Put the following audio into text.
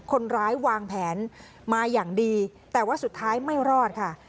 คนร้ายวางแผนมาอย่างดีแต่ว่าสุดท้ายไม่รอดค่ะ